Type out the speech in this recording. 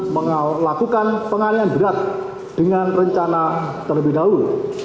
melakukan penganian berat dengan rencana terlebih dahulu